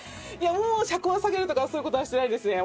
もう車高を下げるとかそういう事はしてないですね